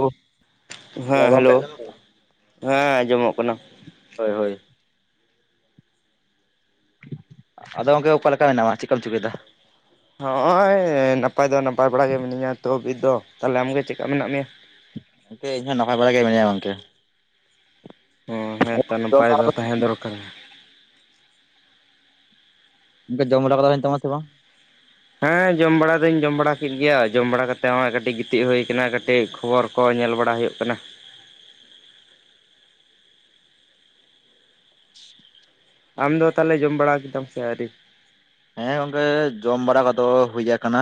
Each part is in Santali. ᱳ ᱛᱟᱦᱚᱞᱮ ᱦᱮᱸ ᱜᱚᱝᱠᱮ ᱦᱮᱞᱳ ᱦᱮᱸ ᱟᱸᱡᱚᱢᱚᱜ ᱠᱟᱱᱟ, ᱦᱳᱭ ᱦᱳᱭ ᱟᱫ ᱜᱚᱝᱠᱮ ᱚᱠᱟᱞᱮᱠᱟ ᱢᱮᱱᱟᱢᱟ ᱪᱮᱫ ᱠᱚᱢ ᱪᱤᱠᱳᱭ ᱫᱟ, ᱦᱚᱜ-ᱚᱭ ᱱᱟᱯᱟᱭ ᱫᱚ ᱱᱟᱯᱟᱭ ᱵᱟᱲᱟ ᱜᱮ ᱢᱤᱱᱟᱹᱧᱟ ᱛᱚᱵ ᱫᱚ ᱛᱟᱦᱚᱞᱮ ᱟᱢᱜᱮ ᱪᱮᱫᱠᱟ ᱢᱮᱱᱟᱜ ᱢᱮᱭᱟ? ᱜᱚᱢᱠᱤ ᱤᱧ ᱦᱚᱸ ᱱᱟᱯᱟᱭ ᱵᱟᱲᱟᱨ ᱜᱮ ᱢᱮᱱᱟᱹᱧᱟ ᱜᱚᱝᱠᱮ, ᱚ ᱦᱮᱸᱛᱚ ᱡᱚᱢ ᱱᱟᱯᱟᱭ ᱵᱟᱲᱟ ᱫᱚ ᱜᱚᱝᱠᱮ ᱛᱟᱦᱮᱸ ᱫᱚᱨᱠᱟᱨᱟ, ᱡᱚᱢ ᱵᱟᱲᱟᱠᱚ ᱦᱳᱭᱮᱱ ᱛᱟᱢᱟ ᱥᱮ ᱵᱟᱝ? ᱦᱮᱸ ᱡᱚᱢ ᱵᱟᱲᱟ ᱫᱩᱧ ᱡᱚᱢ ᱵᱟᱲᱟ ᱠᱮᱫ ᱜᱮᱭᱟ ᱡᱚᱢ ᱵᱟᱲᱟ ᱠᱟᱛᱮᱜᱟᱜ ᱠᱟᱹᱴᱤᱡ ᱜᱤᱛᱤᱡ ᱦᱩ ᱟᱠᱟᱱᱟ ᱠᱟᱹᱴᱤᱡ ᱠᱷᱚᱵᱚᱨ ᱠᱚ ᱧᱮᱞ ᱵᱟᱲᱟ ᱦᱩᱭᱩᱜ ᱠᱟᱱᱟ, ᱟᱢ ᱫᱚ ᱛᱟᱦᱚᱞᱮ ᱡᱚᱢ ᱵᱟᱲᱟ ᱠᱮᱫᱟᱢ ᱥᱮ ᱟᱹᱣᱨᱤ? ᱦᱮᱸ ᱜᱚᱝᱠᱮ ᱡᱚᱢ ᱵᱟᱲᱟ ᱠᱚᱫᱚ ᱦᱳᱭ ᱠᱟᱱᱟ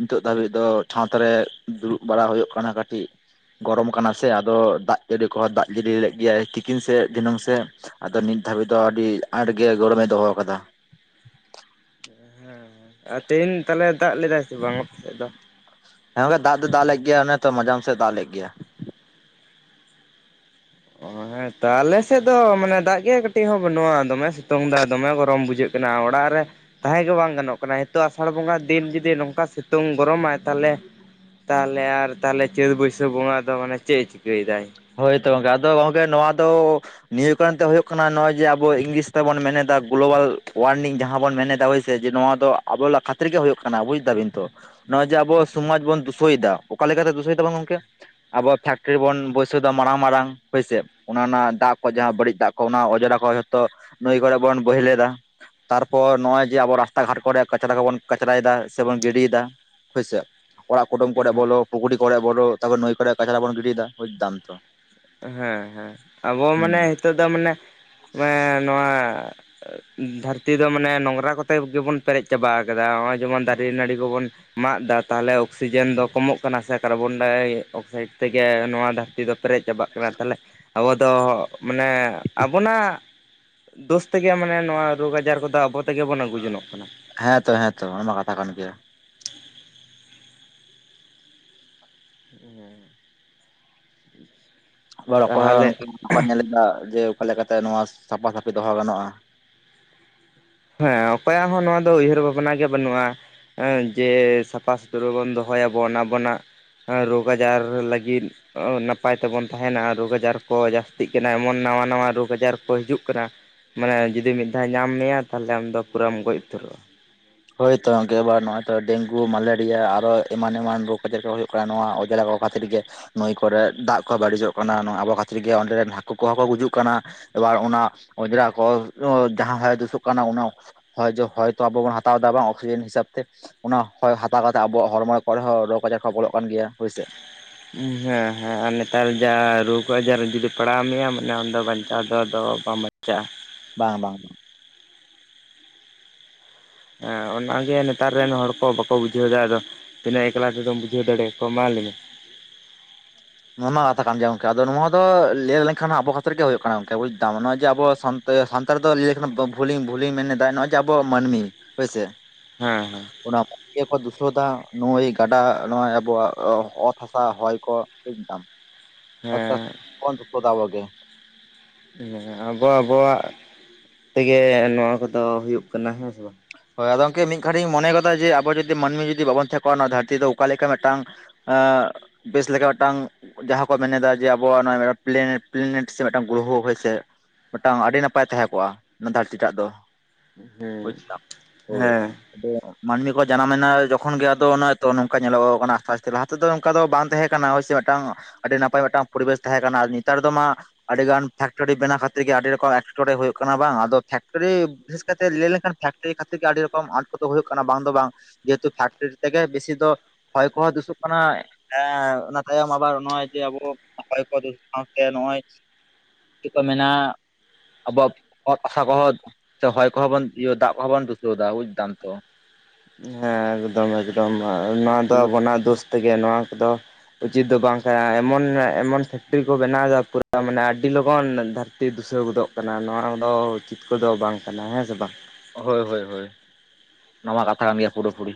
ᱱᱤᱛᱚᱜ ᱫᱷᱟᱹᱵᱤᱡ ᱫᱚ ᱪᱷᱟᱛ ᱨᱮ ᱫᱩᱲᱩᱵ ᱵᱟᱲᱟ ᱦᱩᱭᱩᱜ ᱠᱟᱱᱟ ᱠᱟᱹᱴᱤᱡ, ᱜᱚᱨᱚᱢ ᱠᱟᱱᱟ ᱥᱮ ᱟᱫᱚ ᱫᱟᱜ ᱡᱟᱹᱲᱤ ᱠᱚᱦᱚᱸ ᱫᱟᱜ ᱡᱟᱹᱲᱤ ᱞᱮᱫ ᱜᱮᱭᱟᱭ ᱛᱤᱠᱤᱱ ᱥᱮᱫ ᱫᱷᱤᱱᱟᱹᱝ ᱥᱮᱫ, ᱟᱫᱚ ᱱᱤᱛ ᱫᱷᱟᱹᱵᱤᱡ ᱫᱚ ᱟᱹᱰᱤ ᱟᱸᱴ ᱜᱮ ᱜᱚᱲᱚᱢᱮ ᱫᱚᱦᱚ ᱟᱠᱟᱫᱟ᱾ ᱦᱮᱸ ᱦᱮᱸ ᱟᱨ ᱛᱮᱦᱮᱧ ᱛᱟᱦᱚᱞᱮ ᱫᱟᱜ ᱞᱮᱫᱟᱭ ᱥᱮ ᱵᱟᱝ ᱟᱯᱟᱥᱮᱫ ᱫᱚ? ᱦᱮᱸ ᱜᱚᱝᱠᱮ ᱫᱟ ᱫᱚ ᱫᱟᱜ ᱞᱮᱫ ᱜᱮᱭᱟ ᱚᱱᱮ ᱛᱚ ᱢᱟᱡᱟᱢ ᱥᱮᱫ ᱫᱟᱜ ᱞᱮᱫ ᱜᱮᱭᱟ᱾ ᱚ ᱦᱮᱸ ᱛᱚ ᱟᱞᱮ ᱥᱮᱫ ᱫᱚ ᱢᱟᱱᱮ ᱫᱟᱜ ᱜᱮ ᱠᱟᱹᱴᱤᱡ ᱦᱚᱸ ᱵᱟᱹᱱᱩᱜᱼᱟ ᱫᱚᱢᱮ ᱥᱤᱛᱩᱝ ᱫᱟ ᱫᱚᱢᱮ ᱜᱚᱨᱚᱢ ᱵᱩᱡᱷᱟᱹᱜᱼᱼ ᱠᱟᱱᱟ ᱟᱲᱟᱨᱮᱼᱼ ᱛᱟᱦᱮᱸ ᱜᱮ ᱵᱟᱝ ᱜᱟᱱᱚᱜ ᱠᱟᱱᱟ ᱱᱤᱛᱚᱜ ᱟᱥᱟᱲ ᱵᱚᱸᱜᱟ ᱫᱤᱱ ᱡᱩᱫᱤ ᱱᱚᱝᱠᱟ ᱥᱤᱛᱩᱝ ᱜᱚᱨᱚᱢᱟᱭ ᱛᱟᱦᱚᱞᱮᱼᱼ ᱛᱟᱦᱚᱞᱮ ᱟᱨ ᱛᱟᱦᱚᱞᱮ ᱪᱟᱹᱛ ᱵᱟᱹᱭᱥᱟᱹᱠᱷ ᱵᱚᱸᱜᱟ ᱫᱚ ᱢᱟᱱᱮ ᱪᱮᱫ ᱮ ᱪᱤᱠᱟᱹᱭᱮᱫᱟᱭ, ᱦᱳᱭ ᱛᱚ ᱜᱚᱝᱠᱮ ᱟᱫᱚ ᱜᱚᱝᱠᱮ ᱱᱚᱣᱟ ᱫᱚᱼᱼ ᱱᱤᱭᱟᱹ ᱵᱟᱨ ᱫᱚ ᱦᱳᱭᱳᱜ ᱠᱟᱱᱟ ᱱᱚᱜᱼᱚᱭ ᱡᱮ ᱟᱵᱚ ᱤᱝᱞᱤᱥ ᱛᱮᱵᱚᱱ ᱢᱮᱱᱫᱟ ᱜᱞᱳᱵᱟᱞ ᱳᱟᱨᱢᱤᱝ ᱡᱟᱦᱟᱸ ᱵᱚᱱ ᱢᱮᱱᱮᱫᱟᱼᱼ ᱥᱮ ᱡᱮ ᱱᱚᱣᱟ ᱫᱚ ᱟᱵᱚ ᱠᱷᱟᱛᱤᱨ ᱜᱮ ᱦᱩᱭᱩᱜ ᱠᱟᱱᱟ ᱵᱩᱡ ᱫᱟᱵᱤᱱ ᱛᱚ᱾ ᱱᱚᱜ-ᱚᱭ ᱡᱮ ᱟᱵᱚ ᱥᱚᱢᱟᱡ ᱵᱚᱱ ᱫᱳᱥᱳᱭᱮᱫᱟ ᱚᱠᱟ ᱞᱮᱠᱟᱛᱮ ᱫᱩᱥᱚᱭ ᱫᱟᱵᱚᱱ ᱜᱚᱝᱠᱮ ᱟᱵᱚ ᱯᱷᱮᱠᱴᱨᱤ ᱵᱚᱱᱼᱼ ᱪᱷᱟᱹ ᱫᱟ ᱢᱟᱨᱟᱲᱟᱝ ᱢᱟᱨᱟᱝ ᱦᱳᱭ ᱥᱮ ᱚᱱᱟ ᱨᱮᱱᱟᱜ ᱫᱟᱜ ᱠᱚ ᱡᱟᱦᱟᱸ ᱵᱟᱹᱲᱤᱡ ᱫᱟᱜ ᱠᱚᱼᱼ ᱚᱱᱟ ᱚᱸᱡᱨᱟ ᱠᱚ ᱡᱚᱛᱚ ᱱᱟᱹᱭ ᱠᱚᱨᱮ ᱵᱚᱱ ᱵᱳᱦᱮᱞᱮᱫᱟ᱾ ᱛᱟᱨᱯᱚᱨ ᱱᱚᱜ-ᱚᱭ ᱡᱮ ᱟᱵᱚ ᱨᱟᱥᱛᱟ ᱜᱷᱟᱴ ᱠᱚᱨᱮ ᱠᱟᱪᱨᱟ ᱠᱚᱵᱚᱱ ᱠᱟᱪᱨᱟᱭᱮᱫᱟ ᱥᱮ ᱵᱚᱱ ᱜᱤᱰᱤᱭᱮᱫᱟ᱾ ᱦᱳᱭᱥᱮ ᱚᱲᱟᱜ ᱠᱩᱴᱚᱢ ᱠᱚᱨᱮ ᱵᱚᱞᱚ ᱯᱩᱠᱷᱩᱨᱤ ᱠᱚᱨᱮ ᱵᱚᱞᱚ ᱛᱟᱨᱯᱚᱨ ᱱᱟᱹᱭ ᱠᱚᱨᱮ ᱠᱟᱪᱲᱟ ᱵᱚᱱ ᱜᱤᱰᱤᱭ ᱫᱟ ᱵᱩᱡ ᱫᱟᱢ, ᱛᱚ ᱦᱮᱸ ᱦᱮᱸ ᱟᱵᱚ ᱦᱩᱸ ᱢᱟᱱᱮ ᱦᱤᱛᱚᱜ ᱫᱚ ᱢᱟᱱᱮ ᱱᱚᱣᱟᱼᱼ ᱫᱷᱟᱹᱨᱛᱤ ᱫᱚ ᱢᱟᱱᱮ ᱱᱚᱝᱨᱟ ᱠᱚᱛᱮ ᱜᱮᱵᱚᱱ ᱯᱮᱨᱮᱡ ᱪᱟᱵᱟ ᱠᱟᱫᱟ ᱱᱚᱜᱼᱚᱭ ᱡᱮᱢᱚᱱ ᱫᱟᱨᱮ ᱱᱟᱹᱲᱤ ᱠᱚᱵᱚᱱᱼᱼ ᱢᱟᱜ ᱮᱫᱟ ᱛᱟᱦᱚᱞᱮ ᱚᱠᱥᱤᱡᱮᱱ ᱫᱚ ᱠᱚᱢᱚᱜ ᱠᱟᱱᱟ ᱥᱮ ᱠᱟᱨᱵᱚᱱᱰᱟᱭ ᱚᱠᱥᱟᱭᱤᱰ ᱛᱮᱜᱮ ᱱᱚᱣᱟ ᱫᱷᱟᱹᱨᱛᱤ ᱫᱚ ᱯᱮᱨᱮᱡ ᱪᱟᱵ ᱠᱟᱱᱟᱼᱼ ᱠᱟᱱᱟ ᱛᱟᱦᱚᱞᱮ ᱟᱵᱚ ᱫᱚ ᱢᱟᱱᱮ ᱟᱵᱚᱱᱟᱜᱼᱼ ᱫᱳᱥ ᱛᱮᱜᱮ ᱢᱟᱱᱮ ᱱᱚᱣᱟ ᱨᱳᱜᱽ ᱟᱡᱟᱨ ᱠᱚᱫᱚ ᱟᱵᱚ ᱛᱮᱜᱮ ᱵᱚᱱ ᱟᱹᱜᱩ ᱡᱚᱱᱚᱜ ᱠᱟᱱᱟ᱾ ᱦᱮᱸ ᱛᱚ ᱦᱮᱸᱛᱚ ᱚᱱᱟᱢᱟ ᱠᱟᱛᱷᱟ ᱠᱟᱱ ᱜᱮᱭᱟ᱾ [unintelligible] ᱟᱪᱪᱷᱟ [inaudible] ᱟᱵᱟᱨ ᱚᱠᱚᱭ ᱦᱚᱸ ᱵᱟᱠᱚ ᱧᱮᱞᱟ ᱡᱮ ᱚᱠᱟ ᱞᱮᱠᱟᱛᱮ ᱱᱚᱣᱟ ᱥᱟᱯᱷᱟ ᱥᱟᱹᱯᱷᱤ ᱫᱚᱦᱚ ᱜᱟᱱᱚᱜᱼᱟ᱾ ᱦᱮᱸ ᱚᱠᱚᱭᱟᱜ ᱦᱚᱸ ᱱᱚᱣᱟ ᱫᱚ ᱩᱭᱦᱟᱹᱨ ᱵᱷᱟᱵᱽᱱᱟ ᱜᱮ ᱵᱟᱹᱱᱩᱜᱼᱟ᱾ ᱦᱮᱸ ᱡᱮ ᱥᱟᱯᱷᱟ ᱥᱩᱛᱨᱚ ᱵᱚᱱ ᱫᱚᱦᱚᱭᱟᱵᱚᱱ ᱟᱵᱚᱱᱟᱜᱼᱼ ᱨᱳᱜᱽ ᱟᱡᱟᱨ ᱞᱟᱹᱜᱤᱫᱼᱼ ᱱᱟᱯᱟᱭ ᱛᱮᱵᱚᱱ ᱛᱟᱦᱮᱱᱟ ᱨᱳᱜᱽ ᱟᱡᱟᱨ ᱠᱚ ᱡᱟᱹᱥᱛᱤᱜ ᱠᱟᱱᱟ ᱮᱢᱚᱱ ᱱᱟᱣᱟ ᱱᱟᱣᱟ ᱨᱳᱜᱽ ᱟᱡᱟᱨ ᱠᱚ ᱦᱤᱡᱩᱜ ᱠᱟᱱᱟ᱾ ᱢᱟᱱᱮ ᱡᱩᱫᱤ ᱢᱤᱫ ᱫᱷᱟᱣ ᱧᱟᱢ ᱢᱮᱭᱟ ᱛᱟᱦᱞᱮ ᱟᱢᱫᱚ ᱯᱩᱨᱟᱢ ᱜᱚᱡ ᱩᱛᱟᱹᱨᱚᱜᱼᱟ᱾ ᱦᱳᱭ ᱛᱚ ᱜᱚᱝᱠᱮ ᱟᱵᱟᱨ ᱱᱚᱜ ᱦᱚᱭ ᱛᱚ ᱰᱮᱝᱜᱩ ᱢᱮᱞᱮᱨᱤᱭᱟ ᱟᱨᱚ ᱮᱢᱟᱱ ᱮᱢᱟᱱ ᱨᱳᱜᱽ ᱟᱡᱟᱨ ᱠᱚ ᱦᱩᱭᱩᱜᱭᱼᱟᱼᱼ ᱱᱚᱣᱟ ᱚᱡᱽᱨᱟ ᱠᱚ ᱠᱷᱛᱤᱨᱜᱮ᱾ ᱱᱩᱭ ᱠᱚᱨᱮ ᱫᱟᱜ ᱠᱚᱦᱚᱸ ᱵᱟᱹᱲᱤᱡᱚᱜ ᱠᱟᱱᱟ ᱟᱵᱚ ᱠᱷᱟᱹᱛᱤᱨ ᱜᱮ ᱚᱸᱰᱮ ᱨᱮᱱ ᱦᱟᱹᱠᱩ ᱠᱚᱦᱚᱸ ᱠᱚ ᱜᱩᱡᱩᱜ ᱠᱟᱱᱟ᱾ ᱮᱵᱟᱨ ᱚᱱᱟ ᱚᱸᱡᱽᱨᱟ ᱠᱚ ᱡᱟᱦᱟᱸ ᱦᱚᱭ ᱫᱩᱥᱩᱜ ᱠᱟᱱᱟ ᱚᱱᱟ ᱦᱚ ᱦᱚᱭᱛᱚ ᱟᱵᱚ ᱵᱚᱱ ᱦᱟᱛᱼᱼ ᱛᱟᱣᱫᱟ ᱵᱟᱝ ᱚᱠᱥᱤᱡᱮᱱ ᱦᱤᱥᱟᱹᱵ ᱛᱮ᱾ ᱚᱱᱟ ᱦᱚᱭ ᱦᱟᱛᱟᱣ ᱠᱟᱛᱮ ᱟᱵᱚᱣᱟᱜ ᱦᱚᱲᱢᱚ ᱠᱚᱨᱮ ᱦᱚᱸ ᱨᱳᱜᱽ ᱟᱡᱟᱨ ᱠᱚ ᱵᱚᱞᱚᱜ ᱠᱟᱱ ᱜᱮᱭᱟ ᱦᱳᱭᱥᱮ᱾ ᱦᱮᱸ ᱦᱮᱸ ᱟᱨ ᱱᱮᱛᱟᱨ ᱡᱟ ᱨᱳᱜ ᱟᱡᱟᱨ ᱡᱩᱫᱤ ᱯᱟᱲᱟᱣ ᱢᱮᱭᱟᱱᱮᱫᱚ ᱵᱟᱧᱪᱟᱣ ᱫᱚ ᱟᱫᱚᱼᱼ ᱵᱟᱢ ᱵᱟᱪᱟᱜᱼᱟ᱾ ᱵᱟᱝ ᱵᱟᱝ᱾ ᱦᱮᱸ ᱚᱱᱟᱜᱮ ᱱᱮᱛᱟᱨ ᱨᱮᱱ ᱦᱚᱲ ᱠᱚ ᱵᱟᱠᱚ ᱵᱩᱡᱷᱟᱹᱣᱫᱟ ᱟᱫᱚ᱾ ᱛᱤᱱᱟᱹᱜ ᱮᱠᱞᱟ ᱛᱮᱫᱚᱢ ᱵᱩᱡᱷᱟᱹᱣ ᱫᱟᱲᱮᱭᱟ ᱠᱚᱣᱟ ᱢᱟ ᱞᱟᱹᱭ ᱢᱮ᱾ ᱱᱚᱣᱟ ᱠᱟᱛᱷᱟ ᱠᱟᱱ ᱜᱮᱭᱟ ᱜᱚᱝᱠᱮ ᱟᱫᱚ ᱱᱚᱣᱟ ᱫᱚ ᱞᱟᱹᱭ ᱞᱮᱱᱠᱷᱟᱱ ᱟᱵᱚ ᱠᱷᱟᱛᱤᱨ ᱜᱮ ᱦᱩᱭᱩᱜ ᱠᱟᱱᱟᱠ ᱵᱩᱡ ᱫᱟᱢ ᱱᱚᱜᱚᱭ ᱡᱮ ᱟᱵᱚ ᱥ ᱛ ᱥᱟᱱᱛᱟᱲ ᱫᱚ ᱞᱟᱹᱭ ᱞᱮᱠᱷᱟᱱ ᱵᱷᱩᱞᱤ-ᱵᱷᱩᱞᱤᱧ ᱢᱮᱱᱮᱫᱟ ᱱᱚᱜᱼᱚᱭ ᱡᱮ ᱟᱵᱚᱣᱟᱜ ᱢᱟᱹᱱᱢᱤ ᱦᱳᱭᱥᱮ ᱦᱮᱸᱻᱦᱮᱸ ᱚᱱᱟ ᱢᱚᱡᱽ ᱜᱮᱠᱚ ᱫᱩᱥᱟᱹᱫᱟ ᱱᱚᱜᱩᱭ ᱜᱟᱰᱟ ᱱᱚᱜᱼᱚᱭ ᱟᱵᱚᱣᱟᱜ ᱚᱛ ᱦᱟᱥᱟ ᱦᱚᱭ ᱠᱚ ᱴᱷᱤᱠ ᱫᱟᱢ ᱦᱮᱸ ᱠᱚᱱ ᱨᱩᱠ ᱟᱵᱚ ᱜᱮ ᱦᱮᱸ ᱟᱵᱚ ᱟᱵᱚᱣᱟᱜ ᱛᱮᱜᱮ ᱱᱚᱣᱟ ᱠᱚᱫᱚ ᱦᱩᱭᱩᱜ ᱠᱟᱱᱟ ᱦᱮᱸ ᱥᱮ ᱵᱟᱝ ᱦᱳᱭ ᱟᱫᱚ ᱜᱚᱝᱠᱮ ᱢᱤᱫ ᱜᱷᱟᱹᱲᱤᱡ ᱤᱧ ᱢᱚᱱᱮ ᱠᱟᱫᱟ ᱡᱮ ᱟᱵᱚ ᱡᱩᱫᱤ ᱢᱟᱹᱱᱢᱤ ᱡᱩᱫᱤ ᱵᱟᱵᱚᱱ ᱛᱜ ᱚᱱᱟ ᱫᱷᱟᱹᱨᱛᱤ ᱫᱚ ᱚᱠᱟᱞ ᱞᱮᱠᱟ ᱢᱤᱫᱴᱟᱝ ᱵᱮᱥ ᱞᱮᱠᱟ ᱢᱤᱫᱴᱟᱝ ᱡᱟᱦᱟᱸ ᱠᱚ ᱢᱮᱱᱮᱫᱟ ᱡᱮ ᱟᱵᱚᱣᱟᱜ ᱱᱚᱮᱱ ᱯᱞᱮᱱᱮᱴ ᱥᱮ ᱢᱤᱫᱴᱟᱝ ᱜᱨᱚᱦᱚ ᱦᱚᱭᱥᱮ ᱢᱤᱫᱴᱟᱝ ᱟᱹᱰᱤ ᱱᱟᱯᱟᱭ ᱛᱟᱦᱮᱸ ᱠᱚᱜᱼᱟ ᱚᱱᱟ ᱫᱷᱟᱹᱨᱛᱤ ᱴᱟᱜ ᱫᱚ ᱵᱩᱡᱽ ᱦᱮᱸ, ᱫᱟᱢ ᱦᱳᱭ ᱦᱮᱸᱻ ᱟᱫᱚ ᱢᱟᱹᱱᱢᱤ ᱠᱚ ᱡᱟᱱᱟᱢᱮᱱᱟ ᱡᱚᱠᱷᱚᱱ ᱜᱮ ᱟᱫᱚ ᱱᱚᱝᱠᱟ ᱧᱮᱞᱚᱜᱚᱜ ᱠᱟᱱᱟ ᱟᱠᱟᱥᱛᱮ ᱞᱟᱦᱟ ᱛᱮ ᱱ ᱫᱚ ᱚᱱᱠᱟ ᱫᱚ ᱵᱟᱝ ᱛᱟᱦᱮᱸ ᱠᱟᱱᱟ ᱦᱚᱳᱭᱥᱮ ᱢᱤᱫᱴᱟᱝ ᱟᱹᱰᱤ ᱱᱟᱯᱟᱭ ᱢᱤᱫᱴᱟᱝ ᱯᱚᱨᱤᱵᱮᱥ ᱛᱟᱦᱮᱸ ᱠᱟᱱᱟ ᱟᱨ ᱱᱮᱛᱟᱨ ᱫᱚ ᱢᱟ ᱟᱹᱰᱤ ᱜᱟᱱ ᱯᱷᱮᱠᱴᱚᱨᱤ ᱵᱮᱱᱟᱣ ᱠᱷᱟᱹᱛᱤᱨ ᱜᱮ ᱟᱹᱰᱤ ᱨᱚᱠᱚᱢ ᱮᱴᱠᱮᱴᱚᱲᱬᱮ ᱦᱩᱭᱩᱜ ᱠᱟᱱᱟ ᱵᱟᱝ ᱟᱫᱚ ᱯᱷᱮᱠᱴᱨᱤ ᱵᱤᱥᱮᱥ ᱠᱟᱛᱮ ᱞᱟᱹᱭ ᱞᱮᱱᱠᱷᱟᱱ ᱯᱷᱮᱠᱴᱨᱤ ᱠᱷᱟᱹᱛᱤᱨ ᱜᱮ ᱟᱹᱰᱤ ᱨᱚᱠᱚᱢ ᱟᱸᱴ ᱠᱚᱫᱚ ᱦᱩᱭᱩᱜ ᱠᱟᱱᱟ ᱵᱟᱝ ᱫᱚ ᱵᱟᱝ ᱡᱮᱦᱮᱛᱩ ᱯᱷᱮᱠᱴᱨᱤᱤ ᱛᱮᱜᱮ ᱵᱮᱥᱤ ᱫᱚ ᱦᱚᱭ ᱠᱚᱦᱚᱸ ᱫᱩᱥᱩᱜ ᱠᱟᱱᱟ ᱮ ᱚᱱᱟ ᱛᱟᱭᱚᱢ ᱟᱵᱟᱨ ᱱᱚᱜᱼᱚᱭ ᱡᱮ ᱟᱵᱚ ᱦᱚᱭ ᱠᱚ ᱫᱩᱥᱩᱜ ᱥᱟᱶᱛᱮ ᱱᱚᱜᱼᱚᱭ ᱪᱮᱫ ᱠᱚ ᱢᱮᱱᱟ ᱟᱵᱚᱣᱟᱜ ᱚᱛ ᱦᱟᱥᱟ ᱠᱚᱦᱚᱸ ᱥᱮ ᱦᱚᱭ ᱠᱚᱦᱚᱸ ᱵᱚᱱ ᱤᱭᱟᱹ ᱫᱟᱜ ᱠᱚᱦᱚᱸᱵᱚᱱ ᱫᱩᱥᱟᱹᱣ ᱮᱫᱟ ᱵᱩᱡᱽ ᱫᱟᱢ ᱛᱚ ᱦᱮᱸ ᱮᱠᱫᱚᱢ-ᱮᱠᱫᱚᱢ ᱱᱚᱣᱟ ᱫᱚ ᱦᱩᱸ ᱟᱵᱚᱱᱟᱜ ᱫᱳᱥ ᱛᱮᱜᱮ ᱱᱚᱣᱟ ᱠᱚᱫᱚ ᱩᱪᱤᱛ ᱫᱚ ᱵᱟᱝ ᱠᱟᱱᱟ ᱮᱢᱚᱱ -ᱮᱢᱚᱱ ᱯᱷᱮᱠᱴᱨᱤ ᱠᱚ ᱵᱮᱱᱟᱣ ᱫᱟᱠᱩ ᱛᱟᱢᱟᱱᱮ ᱟᱹᱰᱤ ᱞᱚᱜᱚᱱ ᱫᱷᱟᱹᱨ ᱛᱤ ᱫᱩᱥᱟᱹᱣ ᱜᱚᱫᱚᱜ ᱠᱟᱱᱟ ᱱᱚᱣᱟ ᱠᱚᱫᱚ ᱪᱤᱛᱠᱟᱹᱨ ᱫᱚ ᱵᱟᱝ ᱠᱟᱱᱟ ᱦᱮᱸ ᱥᱮ ᱵᱟᱝ ᱦᱳᱭ-ᱦᱳᱭ-ᱦᱳᱭ ᱱᱚᱣᱟ ᱠᱟᱛᱷᱟ ᱠᱟᱱ ᱜᱮᱭᱟ ᱯᱩᱨᱟᱹᱯᱩᱨᱤ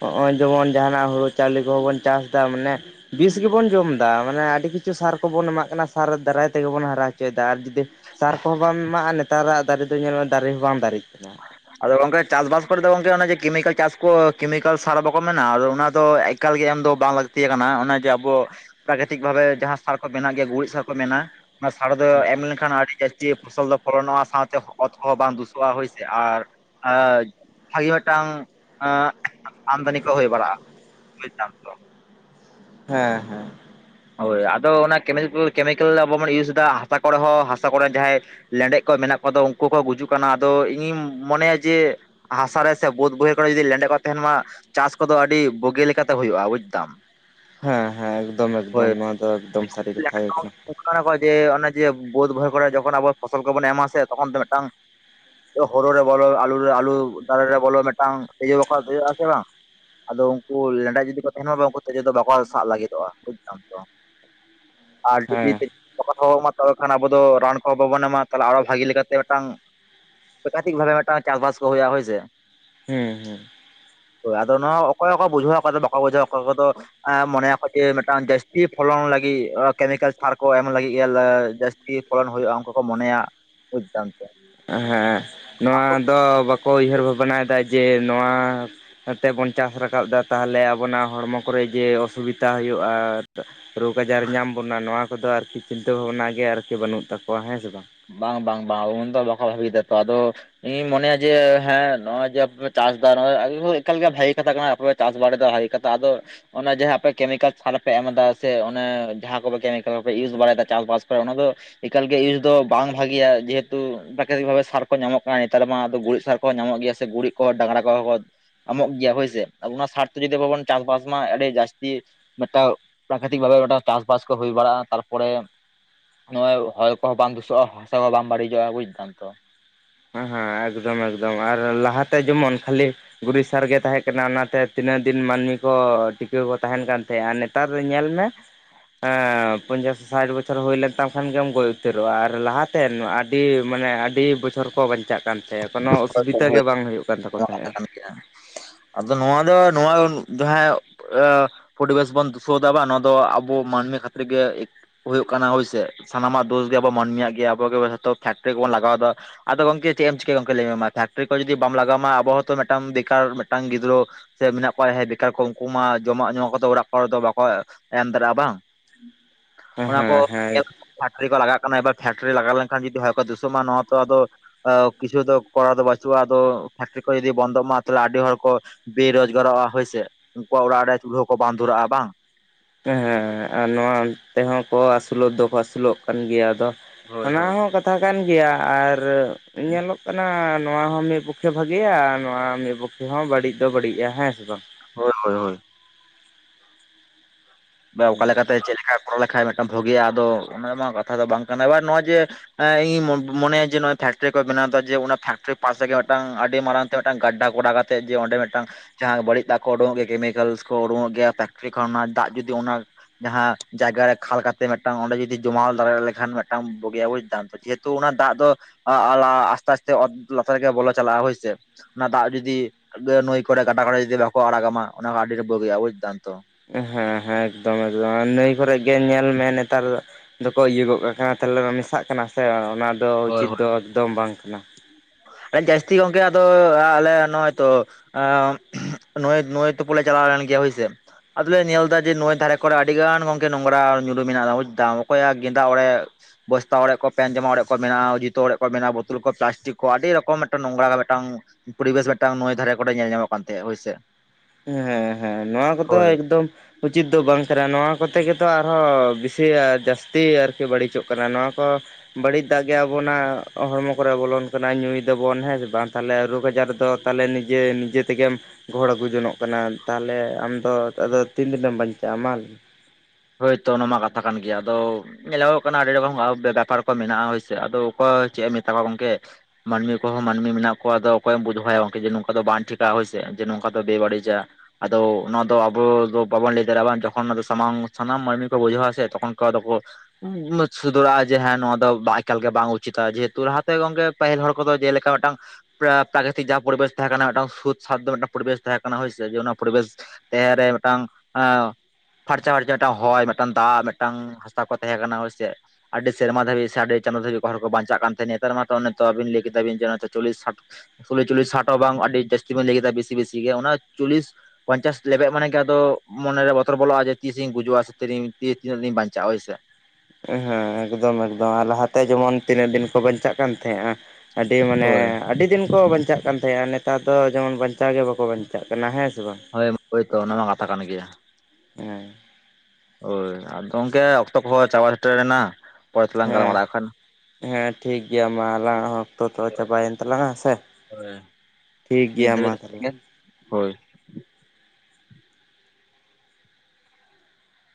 ᱱᱚᱸᱜᱼᱚᱭ ᱡᱮᱢᱚᱱ ᱡᱟᱦᱱᱟᱜ ᱦᱳᱲᱳ ᱪᱟᱣᱞᱮ ᱠᱚᱦᱚᱸ ᱵᱚᱱ ᱪᱟᱥ ᱫᱟ ᱢᱟᱱᱮ ᱵᱤᱥ ᱜᱮᱵᱚᱱ ᱡᱚᱢ ᱮᱫᱟ ᱢᱟᱱᱮ ᱟᱹᱰᱤ ᱠᱤᱪᱷᱩ ᱥᱟᱨ ᱠᱚᱵᱚᱱ ᱮᱢᱟᱜ ᱠᱟᱱᱟ ᱥᱟᱨ ᱫᱟᱨᱟᱭ ᱛᱮᱜᱮ ᱵᱚᱱ ᱦᱟᱨᱟ ᱫᱟᱨ ᱟᱨ ᱡᱩᱫᱤ ᱥᱟᱨ ᱠᱚᱦᱚᱸ ᱵᱟᱢ ᱮᱢᱟᱜᱼᱟ ᱱᱮᱛᱟᱨᱟᱜ ᱫᱟᱨᱮ ᱫᱚ ᱧᱮᱞᱚᱜᱼᱟ ᱫᱟᱨᱮ ᱦᱚᱸ ᱵᱟᱝ ᱫᱟᱨᱮᱜ ᱠᱟᱱᱟ ᱾ ᱟᱫᱚ ᱜᱚᱝᱠᱮ ᱪᱟᱥ-ᱵᱟᱥ ᱠᱚᱨᱮ ᱫᱚ ᱜᱚᱝᱠᱮ ᱚᱱᱮ ᱡᱮ ᱠᱮᱢᱤᱠᱮᱞ ᱪᱟᱥ ᱠᱚ ᱠᱮᱢᱤᱠᱮᱞ ᱥᱟᱨᱟ ᱵᱟᱠᱚ ᱢᱮᱱᱟ ᱟᱫᱚ ᱚᱱᱟ ᱫᱚ ᱮᱠ ᱮᱠᱟᱞᱜᱮ ᱮᱢ ᱫᱚ ᱵᱟᱝ ᱞᱟᱹᱠᱛᱤ ᱠᱟᱱᱟ ᱚᱱᱟ ᱡᱮ ᱟᱵᱚ ᱯᱨᱟᱠᱨᱤᱛᱤᱠ ᱵᱷᱟᱵᱮ ᱡᱟᱦᱟᱸ ᱥᱟᱨ ᱠᱚ ᱢᱮᱱᱟᱜ ᱜᱮᱭᱟ ᱜᱩᱨᱤᱡ ᱥᱟᱨ ᱠᱚ ᱢᱮᱱᱟᱜᱼᱟ ᱾ ᱚᱱᱟ ᱥᱟᱨ ᱫᱚ ᱮᱢ ᱞᱮᱱᱠᱷᱟᱱ ᱟᱹᱰᱤ ᱡᱟᱹᱥᱛᱤ ᱯᱷᱚᱥᱚᱞ ᱫᱚ ᱯᱷᱚᱞᱚᱱᱚᱜᱼᱟ ᱥᱟᱶᱛᱮ ᱚᱛ ᱠᱚᱦᱚᱸ ᱵᱟᱝ ᱫᱩᱥᱚᱜᱼᱟ ᱦᱳᱭᱥᱮ ᱟᱨ ᱟ ᱵᱷᱟᱹᱜᱤ ᱢᱤᱫᱴᱟᱝ ᱟᱸᱜ ᱟᱢᱫᱟᱱᱤ ᱠᱚ ᱦᱩᱭ ᱵᱟᱲᱟᱜᱼᱟ ᱾ ᱵᱩᱡᱽ ᱫᱟᱢ ᱛᱚ ᱦᱮᱸᱻᱦᱮᱸ ᱦᱳᱭ ᱟᱫᱚ ᱚᱱᱟ ᱠᱮᱢᱮᱞ ᱠᱩ ᱠᱮᱢᱤᱠᱮᱞ ᱟᱹᱵᱩᱵᱩᱱ ᱤᱭᱩᱡ ᱫᱟ ᱦᱟᱥᱟ ᱠᱚᱨᱮ ᱦᱚᱸ ᱦᱟᱥᱟ ᱠᱚᱨᱮ ᱡᱟᱦᱟᱸᱭ ᱞᱮᱸᱰᱮᱡ ᱠᱚ ᱢᱮᱱᱟᱜ ᱠᱚᱣᱟ ᱫᱚ ᱩᱱᱠᱩ ᱠᱚ ᱜᱩᱡᱩᱜ ᱠᱟᱱᱟ ᱟᱫᱚ ᱤᱧᱤᱧ ᱢᱚᱱᱮᱭᱟ ᱡᱮ ᱦᱟᱥᱟ ᱨᱮ ᱥᱮ ᱵᱟᱹᱫᱽ ᱵᱟᱹᱭᱦᱟᱹᱲ ᱠᱚᱨᱮ ᱡᱩᱫᱤ ᱞᱮᱸᱰᱮᱫ ᱠᱚ ᱛᱟᱦᱮᱱ ᱢᱟ ᱪᱟᱥ ᱠᱚᱫᱚ ᱟᱹᱰᱤ ᱵᱩᱜᱤ ᱞᱮᱠᱟᱛᱮ ᱦᱩᱭᱩᱜᱼᱟ ᱵᱩᱡᱽᱫᱟᱢ᱾ ᱦᱮᱸᱻᱦᱮᱸ ᱮᱠᱫᱚᱢ-ᱮᱠᱫᱚᱢ ᱱᱚᱣᱟ ᱫᱚ ᱮᱠᱫᱚᱢ ᱥᱟᱹᱨᱤ ᱠᱟᱛᱷᱟ ᱦᱩᱭ ᱠᱟᱱᱟ᱾ ᱠᱟᱱᱟ ᱠᱚ ᱡᱮ ᱚᱱᱮ ᱡᱮ ᱵᱟᱹᱫᱽ ᱵᱟᱹᱭᱦᱟᱹᱲ ᱠᱚᱨᱮ ᱡᱚᱠᱷᱚᱱ ᱟᱵᱚ ᱯᱷᱚᱥᱚᱞ ᱠᱚᱵᱚᱱ ᱮᱢᱟ ᱥᱮ ᱛᱚᱠᱷᱚᱱ ᱫᱚ ᱢᱤᱫᱴᱟᱝ ᱦᱳᱲᱳ ᱨᱮ ᱵᱚᱞᱚ ᱟᱞᱩ ᱨᱮ ᱟᱞᱩ ᱰᱟᱹᱨ ᱨᱮ ᱵᱚᱞᱚ ᱢᱤᱫᱴᱟᱝ ᱛᱮᱡᱩ ᱵᱟᱹᱠᱩ ᱤᱭᱟᱹᱜᱼᱟ ᱥᱮ ᱵᱟᱝ ᱟᱫᱚ ᱩᱝᱠᱩ ᱞᱮᱸᱰᱮᱡ ᱡᱩᱫᱤ ᱠᱚ ᱛᱮᱦᱮᱱᱚᱜ ᱩᱝᱠᱩ ᱛᱤᱡᱩ ᱫᱚ ᱵᱟᱠᱩ ᱥᱟᱵ ᱞᱟᱹᱜᱤᱫᱚᱜᱼᱟ ᱾ ᱪᱟᱥ ᱫᱚ ᱟᱨ ᱡᱩᱫᱤ ᱦᱮᱸ ᱠᱟᱹᱡ ᱠᱚᱠᱚ ᱮᱢᱟ ᱛᱚᱵᱮ ᱠᱷᱟᱱ ᱟᱵᱚ ᱫᱚ ᱨᱟᱱ ᱠᱚᱦᱚᱸ ᱵᱟᱵᱚᱱ ᱮᱢᱟ ᱛᱟᱦᱚᱞᱮ ᱟᱨᱚ ᱵᱷᱟᱜᱤ ᱞᱮᱠᱟᱛᱮ ᱢᱤᱫᱴᱟᱝ ᱛᱚ ᱠᱟᱹᱴᱤᱡ ᱵᱷᱟᱵᱮ ᱢᱤᱫᱴᱟᱝ ᱪᱟᱥᱵᱟᱥ ᱠᱚ ᱦᱩᱭᱩᱜᱼᱟ ᱦᱚᱭ ᱥᱮ ᱦᱩᱸ-ᱦᱩᱸ ᱟᱫᱚ ᱱᱚᱣᱟ ᱚᱠᱚᱭ ᱚᱠᱚᱭ ᱵᱩᱡᱷᱟᱹᱣᱟ ᱚᱠᱚᱭ ᱫᱚ ᱵᱟᱠᱚ ᱵᱩᱡᱷᱟᱹᱣᱟ ᱚᱠᱚᱭ ᱠᱚᱫᱚ ᱮᱸ ᱢᱚᱱᱮ ᱟᱠᱚ ᱡᱮ ᱟᱸ ᱡᱟᱹᱥᱛᱤ ᱯᱷᱚᱞᱚᱱ ᱞᱟᱹᱜᱤᱫ ᱟ ᱠᱮᱢᱤᱠᱮᱞ ᱥᱟᱨ ᱠᱚ ᱮᱢ ᱞᱟᱹᱜᱤᱫ ᱜᱮ ᱞᱮ ᱡᱟᱹᱥᱛᱤ ᱯᱷᱚᱞᱚᱱ ᱦᱩᱭᱩᱜᱼᱟ᱾ ᱚᱱᱠᱟ ᱠᱚ ᱢᱚᱱᱮᱭᱟ ᱵᱩᱡᱽᱫᱟᱢ᱾ ᱦᱮᱸ ᱱᱚᱣᱟ ᱫᱚ ᱵᱟᱠᱚ ᱩᱭᱦᱟᱹᱨ ᱵᱷᱟᱵᱽᱱᱟᱭᱫᱟ ᱡᱮ ᱱᱚᱣᱟ ᱠᱟᱛᱮᱵᱚᱱ ᱪᱟᱥ ᱨᱟᱠᱟᱵ ᱫᱟ ᱛᱟᱦᱚᱞᱮ ᱟᱵᱚᱱᱟᱜ ᱦᱚᱲᱢᱚ ᱠᱚᱨᱮ ᱡᱮ ᱚᱥᱩᱵᱤᱛᱟ ᱦᱩᱭᱩᱜᱼᱟ᱾ ᱨᱳᱜᱽ ᱟᱡᱟᱨ ᱧᱟᱢ ᱵᱚᱱᱟ, ᱱᱚᱣᱟ ᱠᱚᱫᱚ ᱟᱨᱠᱤ ᱪᱤᱱᱛᱟᱹ ᱵᱷᱟᱵᱽᱱᱟ ᱜᱮ ᱟᱨᱠᱤ ᱵᱟᱹᱱᱩᱜ ᱛᱟᱠᱚᱣᱟ ᱦᱮᱸ ᱥᱮ ᱵᱟᱝ? ᱵᱟᱝ ᱵᱟᱝ ᱵᱟᱝ ᱩᱱᱫᱚ ᱵᱟᱠᱚ ᱵᱷᱟᱵᱤᱛᱟ ᱛᱚ ᱟᱫᱚ ᱤᱧ ᱢᱚᱱᱮᱭᱟ ᱡᱮ ᱦᱮᱸ ᱱᱚᱜᱼᱚᱭ ᱡᱮ ᱟᱯᱮ ᱯᱮ ᱪᱟᱥ ᱫᱟ ᱱᱚᱜᱼᱚᱭ ᱤᱭᱟᱹ ᱮᱠᱟᱞ ᱜᱮ ᱵᱷᱟᱜᱤ ᱠᱟᱛᱷᱟ ᱠᱟᱱᱟ ᱟᱯᱮ ᱪᱟᱥ ᱵᱟᱲᱮ ᱫᱚ ᱵᱷᱟᱜᱮ ᱠᱟᱛᱷᱟ ᱟᱫᱚ ᱚᱱᱮ ᱡᱟᱦᱟᱸ ᱟᱯᱮ ᱠᱮᱢᱤᱠᱮᱞ ᱥᱟᱨᱯᱮ ᱮᱢ ᱫᱟ ᱥᱮ ᱚᱱᱮ ᱡᱟᱦᱟᱸ ᱠᱚᱯᱮ ᱠᱮᱢᱤᱠᱮᱞ ᱠᱚᱯᱮ ᱤᱭᱩᱥ ᱵᱟᱲᱟᱭᱫᱟ, ᱪᱟᱥᱵᱟᱥ ᱠᱚᱨᱮ ᱚᱱᱟ ᱫᱚ ᱮᱠᱟᱞ ᱜᱮ ᱤᱭᱩᱥ ᱫᱚ ᱵᱟᱝ ᱵᱷᱟᱜᱮᱭᱟ ᱡᱮᱦᱮᱛᱩ ᱯᱨᱟᱠᱨᱤᱛᱤᱠ ᱵᱷᱟᱵᱮ ᱥᱟᱨ ᱠᱚ ᱧᱟᱢᱚᱜ ᱠᱟᱱᱟ᱾ ᱱᱮᱛᱟᱨ ᱢᱟ ᱟᱫᱚ ᱜᱩᱨᱤᱡ ᱥᱟᱨ ᱠᱚ ᱧᱟᱢᱚᱜ ᱜᱮᱭᱟ ᱥᱮ ᱜᱩᱨᱤᱡ ᱠᱚ ᱰᱟᱝᱨᱟ ᱠᱚᱦᱚᱸ ᱠᱚ ᱮᱢᱚᱜ ᱜᱮᱭᱟ ᱦᱳᱭᱥᱮ ᱚᱱᱟ ᱥᱟᱨ ᱛᱮ ᱡᱩᱫᱤ ᱟᱵᱚ ᱵᱚᱱ ᱪᱟᱥᱵᱟᱥ ᱢᱟ ᱟᱹᱰᱤ ᱡᱟᱹᱥᱛᱤ ᱢᱤᱫᱴᱟᱝ ᱯᱨᱟᱠᱤᱛᱤᱠ ᱵᱷᱟᱵᱮ ᱢᱤᱫᱴᱟᱝ ᱪᱟᱥᱵᱟᱥ ᱠᱚ ᱦᱩᱭ ᱵᱟᱲᱟᱜᱼᱟ᱾ ᱛᱟᱨᱯᱚᱨᱮ ᱱᱚᱜᱼᱚᱭ ᱦᱚᱭ ᱠᱚᱦᱚᱸ ᱵᱟᱝ ᱫᱩᱥᱚᱜᱼᱟ᱾ ᱦᱟᱥᱟ ᱠᱚ ᱵᱟᱝ ᱵᱟᱹᱲᱤᱡᱚᱜᱼᱟ, ᱵᱩᱡᱽᱫᱟᱢ ᱛᱚ᱾ ᱦᱮᱸ ᱮᱠᱫᱚᱢ ᱮᱠᱫᱚᱢ ᱟᱨ ᱞᱟᱦᱟᱛᱮ ᱡᱮᱢᱚᱱ ᱠᱷᱟᱹᱞᱤ ᱜᱩᱨᱤᱡ ᱥᱟᱨ ᱜᱮ ᱛᱟᱦᱮᱸ ᱠᱟᱱᱟ᱾ ᱚᱱᱟ ᱛᱮ ᱛᱤᱱᱟᱹᱜ ᱫᱤᱱ ᱢᱟᱱᱢᱤ ᱠᱚ ᱴᱤᱠᱟᱹᱣ ᱠᱚ ᱛᱟᱦᱮᱱ ᱠᱟᱱ ᱛᱟᱦᱮᱸᱫᱼᱟ ᱱᱤ ᱱᱮᱛᱟᱨ ᱨᱮ ᱧᱮᱞ ᱢᱮ ᱮᱸ ᱯᱚᱧᱪᱟᱥ ᱥᱟᱭᱮᱴ ᱵᱚᱪᱷᱚᱨ ᱮᱢ ᱦᱩᱭ ᱞᱮᱱ ᱛᱟᱢ ᱠᱷᱟᱱ ᱜᱮᱢ ᱜᱚᱡ ᱩᱛᱟᱹᱨᱚᱜᱼᱟ ᱟᱨ ᱞᱟᱦᱟ ᱛᱮᱜ ᱟᱹᱰᱤ ᱢᱟᱱᱮ ᱟᱹᱰᱤ ᱵᱚᱪᱷᱚᱨ ᱠᱚ ᱵᱟᱧᱪᱟᱜ ᱠᱟᱱ ᱛᱮ ᱠᱚᱱᱚ ᱚᱥᱩᱵᱤᱫᱟ ᱜᱮ ᱵᱟᱝ ᱦᱩᱭᱩᱜ ᱠᱟᱱ ᱛᱟᱠᱚ ᱛᱟᱦᱮᱸᱜᱼᱟ᱾ [unintelligible] ᱟᱫᱚ ᱱᱚᱣᱟ ᱫᱚ ᱱᱚᱣᱟ ᱡᱟᱦᱟᱸ ᱯᱚᱨᱤᱵᱮᱥ ᱵᱚᱱ ᱫᱩᱥᱟᱹᱣ ᱮᱫᱟ ᱵᱟᱝ ᱱᱚᱣᱟ ᱫᱚ ᱟᱵᱚ ᱢᱟᱹᱱᱢᱤ ᱠᱷᱟᱹᱛᱤᱨ ᱜᱮ ᱦᱩᱭᱩᱜ ᱠᱟᱱᱟ ᱦᱳᱭᱥᱮ ᱥᱟᱱᱟᱢᱟᱜ ᱫᱳᱥ ᱜᱮ ᱟᱵᱚ ᱢᱟᱹᱱᱢᱤᱭᱟᱜ ᱜᱮ, ᱟᱵᱚ ᱜᱮ ᱡᱷᱚᱛᱚ ᱯᱷᱮᱠᱴᱨᱤ ᱠᱚᱵᱚᱱ ᱞᱟᱜᱟᱣ ᱮᱫᱟ, ᱟᱫᱚ ᱜᱚᱝᱠᱮ ᱪᱮᱫ ᱮᱢ ᱪᱤᱠᱟᱹᱭᱟ ᱜᱚᱝᱠᱮ ᱞᱟᱹᱭᱢᱮ ᱢᱟ ᱯᱷᱮᱠᱴᱨᱤ ᱠᱚ ᱡᱩᱫᱤ ᱵᱟᱢ ᱞᱟᱜᱟᱣᱟ ᱢᱟ ᱟᱵᱚ ᱦᱚᱸᱛᱚ ᱢᱤᱫᱴᱟᱝ ᱵᱮᱠᱟᱨ ᱢᱤᱫᱴᱟᱝ ᱜᱤᱫᱽᱨᱟᱹ ᱥᱮ ᱢᱮᱱᱟᱜ ᱠᱚᱣᱟ ᱦᱮᱸ ᱵᱮᱠᱟᱨ ᱠᱚ ᱩᱱᱠᱩ ᱢᱟ ᱡᱚᱢᱟᱜ ᱧᱩᱣᱟᱜ ᱠᱚᱫᱚ ᱚᱲᱟᱜ ᱠᱚᱨᱮ ᱫᱚ ᱵᱟᱠᱚ ᱮᱢ ᱫᱟᱲᱮᱭᱟᱜᱼᱟ ᱵᱟᱝ? [inaudible] ᱚᱱᱟ ᱠᱚ ᱦᱮᱸ ᱦᱮᱸ [unintelligible] ᱯᱷᱮᱠᱴᱤ ᱠᱚ ᱞᱟᱜᱟᱜ ᱠᱟᱱᱟ᱾ ᱮᱵᱟᱨ ᱯᱷᱮᱠᱴᱟᱨᱤ ᱞᱟᱜᱟᱣ ᱞᱮᱱᱠᱷᱟᱱ ᱡᱚᱫᱤ ᱦᱚᱭ ᱠᱚ ᱫᱩ ᱫᱩᱥᱟᱹᱜ ᱢᱟ ᱱᱚᱣᱟ ᱛᱚ ᱟᱫᱚ ᱠᱤᱪᱩ ᱫᱚ ᱠᱚᱨᱟᱣ ᱫᱚ ᱵᱟᱪᱩᱜ-ᱟ ᱟᱫᱚ ᱯᱷᱮᱠᱴᱨᱤ ᱠᱚ ᱡᱩᱫᱤ ᱵᱚᱱᱫᱚᱜ ᱢᱟ ᱛᱟᱦᱚᱞᱮ ᱟᱹᱰᱤ ᱦᱚᱲ ᱠᱚ ᱵᱮᱨᱚᱡᱽᱜᱟᱨᱚᱜᱼᱟ᱾ ᱦᱳᱭᱥᱮ ᱩᱱᱠᱩᱣᱟᱜ ᱚᱲᱟᱜ ᱨᱮ ᱪᱩᱞᱦᱟᱹ ᱠᱚ ᱵᱟᱝ ᱫᱩᱨᱟᱜᱼᱟ ᱵᱟᱝ? ᱦᱮᱸ ᱱᱚᱣᱟ ᱛᱮᱦᱚᱸ ᱠᱚ ᱟᱹᱥᱩᱞᱚᱜ ᱫᱚᱠᱚ ᱟᱹᱥᱩᱞᱚᱜ ᱠᱟᱱ ᱜᱮᱭᱟ᱾ ᱟᱫᱚ ᱦᱳᱭ ᱚᱱᱟ ᱦᱳᱭ ᱦᱚᱸ ᱠᱟ ᱠᱟᱛᱷᱟ ᱠᱟᱱ ᱜᱮᱭᱟ ᱟᱨ ᱧᱮᱞᱚᱜ ᱠᱟᱱᱟ ᱱᱚᱣᱟ ᱦᱚᱸ ᱢᱤᱫ ᱯᱚᱠᱠᱷᱮ ᱵᱷᱟᱜᱮᱭᱟ ᱱᱚᱣᱟ ᱢᱤᱫ ᱯᱚᱠᱠᱷᱮ ᱵᱟᱹᱲᱤᱡ ᱫᱚ ᱵᱟᱹᱲᱤᱡ-ᱟ ᱦᱮᱸ ᱥᱮ ᱵᱟᱝ? ᱦᱳᱭ ᱦᱳᱭ ᱦᱳᱭ᱾ ᱛᱚᱵᱮ ᱦᱩᱸ ᱚᱠᱟ ᱞᱮᱠᱟᱛᱮ ᱪᱮᱫ ᱞᱮᱠᱟ ᱠᱚᱨᱟᱣ ᱞᱮᱠᱷᱟᱡ ᱢᱤᱫᱴᱟᱝ ᱵᱷᱟᱹᱜᱤᱭᱟ, ᱟᱫᱚ ᱚᱱᱟᱢᱟ ᱠᱟᱛᱷᱟ ᱫᱚ ᱵᱟᱝ ᱠᱟᱱᱟ ᱮᱵᱟᱨ ᱱᱚ ᱡᱮ ᱤᱧᱤᱧ ᱢᱚᱱᱮᱭᱟ ᱡᱮ ᱱᱚᱜ-ᱚᱭ ᱯᱷᱮᱠᱴᱨᱤ ᱠᱚ ᱵᱮᱱᱟᱣ ᱮᱫᱟ ᱡᱮ ᱚᱱᱟ ᱯᱷᱮᱠᱴᱨᱤ ᱯᱟᱥ ᱨᱮᱜᱮ ᱢᱤᱫᱴᱟᱝ ᱟᱹᱰᱤ ᱢᱟᱨᱟᱝ ᱛᱮ ᱢᱤᱫᱴᱟᱝ ᱜᱟᱰᱰᱟ ᱜᱚᱰᱟ ᱠᱟᱛᱮ ᱡᱮ ᱚᱸᱰᱮ ᱢᱤᱫᱴᱟᱝ ᱡᱟᱦᱟᱸ ᱵᱟᱹᱲᱤᱡ ᱫᱟᱜ ᱠᱚ ᱩᱰᱩᱠᱚᱜ ᱜᱮᱭᱟ᱾ ᱠᱮᱢᱤᱠᱮᱞᱥ ᱠᱚ ᱩᱰᱩᱠᱚᱜ ᱜᱮᱭᱟ ᱯᱷᱮᱠᱴᱨᱤ ᱠᱷᱚᱱᱟᱜ ᱫᱟᱜ ᱡᱩᱫᱤ ᱚᱱᱟ ᱡᱟᱦᱟᱸ ᱡᱟᱭᱜᱟ ᱨᱮ ᱠᱷᱟᱞ ᱠᱟᱛᱮ ᱢᱤᱫᱴᱟᱝ ᱚᱸᱰᱮ ᱡᱩᱫᱤ ᱡᱚᱢᱟᱣ ᱫᱟᱲᱮ ᱞᱮᱠᱷᱟᱱ ᱢᱤᱫᱴᱟᱝ ᱵᱩᱜᱤᱭᱟ ᱵᱩᱡᱽ ᱮᱫᱟᱢ ᱡᱮᱦᱮᱛᱩ ᱚᱱᱟ ᱫᱟᱜ ᱫᱚ ᱟᱥᱛᱮ ᱟᱥᱛᱮ ᱚᱛ ᱞᱟᱛᱟᱨ ᱜᱮ ᱵᱚᱞᱚ ᱪᱟᱞᱟᱜᱼᱟ ᱦᱳᱭᱥᱮ᱾ ᱚᱱᱟ ᱫᱟᱜ ᱡᱩᱫᱤ ᱱᱟᱹᱭ ᱠᱚᱨᱮ ᱜᱟᱰᱟ ᱠᱚᱨᱮ ᱡᱩᱫᱤ ᱵᱟᱠᱚ ᱟᱲᱟᱜᱼᱟ ᱢᱟ ᱚᱱᱟ ᱠᱚ ᱟᱹᱰᱤ ᱰᱷᱮᱨ ᱵᱟᱹᱜᱤᱼᱟ ᱵᱩᱡᱽ ᱮᱫᱟᱢ ᱛᱚ᱾ ᱦᱮᱸ ᱦᱮᱸ ᱮᱠᱫᱚᱢ ᱮᱠᱫᱚᱢ ᱟᱨ ᱱᱟᱹᱭ ᱠᱚᱨᱮ ᱜᱮ ᱧᱮᱞ ᱢᱮ ᱱᱮᱛᱟᱨ ᱫᱚ ᱫᱚᱠᱚ ᱤᱭᱟᱹ ᱜᱚᱜ ᱠᱟᱜ ᱠᱟᱱᱟ ᱛᱟᱦᱚᱞᱮ ᱚᱱᱟ ᱢᱮᱥᱟᱜ ᱠᱟᱱᱟ ᱥᱮ ᱚᱱᱟ ᱫᱚ ᱦᱳᱭ ᱦᱳᱭ ᱩᱪᱤᱛ ᱫᱚ ᱮᱠᱫᱚᱢ ᱵᱟᱝ ᱠᱟᱱᱟ᱾ ᱡᱟᱹᱥᱛᱤ ᱜᱚᱝᱠᱮ ᱟᱫᱚ ᱟᱞᱮ ᱱᱚᱜ-ᱚᱭ ᱛᱚ ᱟᱸᱜ ᱱᱚᱭ ᱱᱟᱭ ᱛᱩᱯᱩᱞᱮ ᱪᱟᱞᱟᱣᱞᱮᱱ ᱜᱮᱭᱟ ᱦᱳᱭᱥᱮ᱾ ᱟᱫᱚᱞᱮ ᱧᱮᱞ ᱫᱟ ᱡᱮ ᱱᱚᱣᱟ ᱫᱷᱟᱨᱮ ᱠᱚᱨᱮ ᱟᱹᱰᱤ ᱜᱟᱱ ᱜᱚᱝᱠᱮ ᱱᱚᱝᱨᱟ ᱧᱩᱨᱩ ᱢᱮᱱᱟᱜ-ᱟ ᱵᱩᱡᱽ ᱫᱟᱢ ᱚᱠᱚᱭᱟᱜ ᱜᱮᱸᱫᱟᱜ ᱚᱲᱮᱡ ᱵᱚᱥᱛᱟ ᱚᱲᱮᱡ ᱠᱚ ᱯᱮᱱ ᱡᱟᱢᱟ ᱚᱲᱮᱡ ᱠᱚ ᱢᱮᱱᱟᱜ-ᱟ, ᱡᱩᱛᱟᱹ ᱚᱲᱮᱡ ᱠᱚ ᱢᱮᱱᱟᱜ-ᱟ ᱵᱳᱛᱚᱞ ᱠᱚ ᱯᱞᱟᱥᱴᱤᱠ ᱠᱚ ᱟᱹᱰᱤ ᱨᱚᱠᱚᱢ ᱢᱤᱫᱴᱟᱝ ᱱᱚᱝᱨᱟ ᱢᱤᱫᱴᱟᱝ ᱯᱚᱨᱤᱵᱮᱥ ᱢᱤᱫᱴᱟᱝ ᱱᱟᱭ ᱫᱷᱟᱨᱮ ᱠᱚᱨᱮ ᱧᱮᱞ ᱧᱟᱢᱚᱜ ᱠᱟᱱ ᱛᱟᱦᱮᱸᱫ ᱦᱳᱭᱥᱮ᱾ ᱦᱮᱸ ᱦᱮᱸ ᱱᱚᱣᱟ ᱠᱚᱫᱚ ᱦᱳᱭ ᱮᱠᱫᱚᱢ ᱩᱪᱤᱛ ᱫᱚ ᱵᱟᱝ ᱠᱟᱱᱟ, ᱱᱚᱣᱟ ᱠᱚᱛᱮ ᱜᱮᱛᱚ ᱟᱨᱦᱚᱸ ᱵᱮᱥᱤ ᱡᱟᱹᱥᱛᱤ ᱟᱨᱠᱤ ᱵᱟᱹᱲᱤᱡᱚᱜ ᱠᱟᱱᱟ, ᱱᱚᱣᱟ ᱠᱚ ᱵᱟᱹᱲᱤᱡ ᱫᱟᱜ ᱜᱮ ᱟᱵᱚᱱᱟᱜ ᱦᱚᱲᱢᱚ ᱠᱚᱨᱮ ᱵᱚᱞᱚᱱ ᱠᱟᱱᱟ ᱧᱩᱭ ᱫᱟᱵᱚᱱ ᱦᱮᱸᱥᱮ ᱵᱟᱝ? ᱛᱟᱦᱚᱞᱮ ᱨᱳᱜ ᱟᱡᱟᱨ ᱫᱚ ᱛᱟᱦᱞᱮ ᱱᱤᱡᱮ ᱱᱤᱡᱮ ᱛᱮᱜᱮᱢ ᱜᱚᱦᱚᱲ ᱟᱹᱜᱩ ᱡᱚᱱᱚᱜ ᱠᱟᱱᱟ ᱛᱟᱦᱚᱞᱮ ᱟᱢᱫᱚ ᱟᱫᱚ ᱛᱤᱱ ᱫᱤᱱᱢ ᱵᱟᱧᱪᱟᱜ-ᱟ ᱢᱟ ᱦᱳᱭᱛᱚ ᱚᱱᱟᱢᱟ ᱠᱟᱛᱷᱟ ᱠᱟᱱ ᱜᱮᱭᱟ, ᱟᱫᱚ ᱧᱮᱞᱚᱜᱚᱜ ᱠᱟᱱᱟ ᱟᱹᱰᱤ ᱨᱚᱠᱚᱢ ᱵᱮᱯᱟᱨ ᱠᱚ ᱢᱮᱱᱟᱜ-ᱟ ᱦᱳᱭᱥᱮ ᱟᱫᱚ ᱚᱠᱚᱭ ᱪᱮᱫ ᱮᱢ ᱢᱮᱛᱟ ᱠᱚᱣᱟ ᱜᱚᱝᱠᱮ᱾ ᱢᱟᱹᱱᱢᱤ ᱠᱚᱦᱚᱸ ᱢᱟᱹᱱᱢᱤ ᱢᱮᱱᱟᱜ ᱠᱚᱣᱟ ᱟᱫᱚ ᱚᱠᱚᱭᱮᱢ ᱵᱩᱡᱷᱟᱹᱣᱟᱭᱟ ᱜᱚᱝᱠᱮ ᱱᱚᱝᱠᱟ ᱫᱚ ᱵᱟᱝ ᱴᱷᱤᱠᱟ ᱦᱳᱭᱥᱮ ᱡᱮ ᱱᱚᱝᱠᱟ ᱫᱚ ᱵᱮ ᱵᱟᱹᱲᱤᱡᱟ ᱟᱫᱚ ᱚᱱᱟ ᱫᱚ ᱟᱵᱚ ᱫᱚ ᱵᱟᱵᱚᱱ ᱞᱟᱹᱭ ᱫᱟᱲᱮᱭᱟᱜ-ᱟ ᱵᱟᱝ, ᱡᱚᱠᱷᱚᱱ ᱚᱱᱟ ᱫᱚ ᱥᱟᱢᱟᱝ ᱥᱟᱱᱟᱢ ᱢᱟᱹᱱᱢᱤ ᱠᱚ ᱵᱩᱡᱷᱟᱹᱣᱟ ᱥᱮ ᱛᱚᱠᱷᱚᱱ ᱠᱚ ᱟᱫᱚ ᱠᱚ ᱪᱷᱩᱫ ᱚᱲᱨᱟᱜ-ᱟ ᱡᱮ ᱦᱮᱸ ᱱᱚᱣᱟ ᱫᱚ ᱵᱟᱝ ᱮᱠᱟᱞ ᱜᱮ ᱵᱟᱝ ᱩᱪᱤᱛᱟ ᱡᱮᱦᱮᱛᱩ ᱞᱟᱦᱟᱛᱮ ᱜᱚᱝᱠᱮ ᱯᱟᱹᱦᱤᱞ ᱦᱚᱲ ᱠᱚᱫᱚ ᱡᱮᱞᱮᱠᱟ ᱢᱤᱫᱴᱟᱝ ᱯᱨᱟ ᱯᱨᱟᱠᱨᱤᱛᱤᱠ ᱡᱟᱦᱟᱸ ᱯᱚᱨᱵᱮᱥ ᱛᱟᱦᱮᱸ ᱠᱟᱱᱟ ᱢᱤᱫᱴᱟᱝ ᱥᱩᱫ ᱥᱟᱫᱽᱫᱷᱚ ᱯᱚᱨᱤᱵᱮᱥ ᱛᱟᱦᱮᱸ ᱠᱟᱱᱟ ᱦᱳᱭ ᱥᱮ, ᱡᱮ ᱚᱱᱟ ᱯᱚᱨᱤᱵᱮᱥ ᱛᱟᱦᱮᱸ ᱨᱮ ᱢᱤᱫᱴᱟᱝ ᱟᱸ ᱯᱷᱟᱨᱪᱟ ᱯᱷᱟᱨᱪᱟ ᱴᱟᱝ ᱦᱚᱭ ᱢᱤᱫᱴᱟᱝ ᱫᱟᱜ ᱢᱤᱫᱴᱟᱝ ᱦᱟᱥᱟ ᱠᱚ ᱛᱟᱦᱮᱸ ᱠᱟᱱᱟ ᱦᱳᱭ ᱥᱮ᱾ ᱟᱹᱰᱤ ᱥᱮᱨᱢᱟ ᱫᱷᱟᱹᱵᱤᱡ ᱥᱮ ᱟᱹᱰᱤ ᱪᱟᱸᱫᱳ ᱫᱷᱟᱹᱵᱤᱡ ᱠᱚ ᱦᱚᱲ ᱠᱚ ᱵᱟᱧᱪᱟᱜ ᱠᱟᱱ ᱛᱟᱦᱮᱱᱟ, ᱱᱮᱛᱟᱨ ᱢᱟᱛᱚ ᱚᱱᱮᱛᱚ ᱟᱵᱤᱱ ᱞᱟᱹᱭ ᱠᱮᱫᱟᱵᱤᱱ ᱡᱮ ᱪᱚᱞᱞᱤᱥ ᱥᱟᱴ ᱮᱠᱪᱚᱞᱞᱤ ᱪᱚᱞᱞᱤᱥ ᱥᱟᱴ ᱦᱚᱸ ᱵᱟᱝ ᱟᱹᱰᱤ ᱡᱟᱹᱥᱛᱤ ᱵᱤᱱ ᱞᱟᱹᱭ ᱠᱮᱫᱟ ᱵᱮᱥᱤ ᱵᱮᱥᱤ ᱜᱮ ᱚᱱᱟ ᱪᱚᱞᱞᱤᱥ ᱯᱚᱧᱪᱟᱥ ᱞᱮᱵᱮᱫ ᱢᱟᱱᱮᱜᱮ ᱟᱫᱚ ᱢᱚᱱᱮᱨᱮ ᱵᱚᱛᱚᱨ ᱵᱚᱞᱚᱜ-ᱟ ᱡᱮ ᱛᱤᱥ ᱛᱤᱧ ᱜᱩᱡᱩᱜ-ᱟ ᱥᱮ ᱛᱤᱨᱤᱧ ᱛᱤᱱᱟᱹᱜ ᱫᱤᱱᱤᱧ ᱵᱟᱧᱪᱟᱜ-ᱟ ᱦᱳᱭ ᱥᱮ᱾ ᱦᱮᱸ ᱮᱠᱫᱚᱢ ᱮᱠᱫᱚᱢ ᱟᱨ ᱞᱟᱦᱟᱛᱮ ᱡᱮᱢᱚᱱ ᱛᱤᱱᱟᱹᱜ ᱫᱤᱱ ᱠᱚ ᱵᱟᱧᱪᱟᱜ ᱠᱟᱱ ᱛᱟᱦᱮᱸᱫᱼᱟ? ᱟᱹᱰᱤ ᱢᱟᱱᱮ ᱦᱳᱭ ᱟᱹᱰᱤ ᱫᱤᱱ ᱠᱚ ᱵᱟᱧᱪᱟᱜ ᱠᱟᱱ ᱛᱟᱦᱮᱸᱭᱟ ᱱᱮᱛᱟᱨ ᱫᱚ ᱡᱮᱢᱚᱱ ᱵᱟᱧᱪᱟᱣ ᱜᱮ ᱵᱟᱠᱚ ᱵᱟᱧᱪᱟᱜ ᱠᱟᱱᱟ ᱦᱮᱸ ᱥᱮ ᱵᱟᱝ? ᱦᱳᱭ ᱳᱭ ᱛᱚ ᱚᱱᱟ ᱢᱟ ᱜᱟᱛᱷᱟ ᱠᱟᱱ ᱜᱮᱭᱟ᱾ ᱮᱸ᱾ ᱳᱭ ᱟᱫᱚ ᱜᱚᱝᱠᱮ ᱚᱠᱛᱚ ᱠᱚᱦᱚᱸ ᱪᱟᱵᱟ ᱴᱮᱨᱮᱱᱟ ᱯᱚᱨᱮ ᱛᱮᱞᱟᱝ ᱦᱮᱸ ᱜᱟᱞᱢᱟᱨᱟᱜ ᱟᱠᱷᱟᱱ᱾ ᱦᱮᱸ ᱴᱷᱤᱠ ᱜᱮᱭᱟ ᱢᱟ ᱟᱞᱟᱝ ᱟᱜ ᱦᱚᱸ ᱚᱠᱛᱚ ᱛᱚ ᱪᱟᱵᱟᱭᱮᱱ ᱛᱟᱞᱟᱝᱼᱟ ᱥᱮ? ᱦᱳᱭᱮ᱾ ᱴᱷᱤᱠ ᱜᱮᱭᱟ ᱢᱟ ᱛᱟᱦᱞᱮ᱾ ᱦᱳᱭ᱾